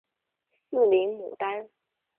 四棱牡丹